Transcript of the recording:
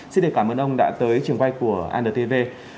xin được cảm ơn ông đã tới trường quay của antv